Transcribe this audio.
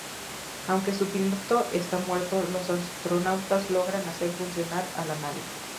Aunque su piloto está muerto, los astronautas logran hacer funcionar a la nave.